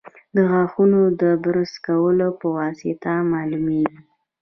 د غاښونو د برس کولو په واسطه معلومېږي.